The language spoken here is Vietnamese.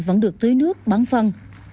vẫn được tưới nước bán phân